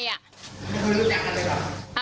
คือ